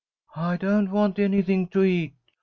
"I don't want anything to eat.